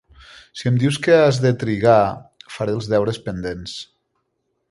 Si em dius que has de trigar, faré els deures pendents.